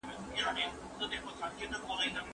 زه به سبا د ښوونځی لپاره امادګي نيسم وم!.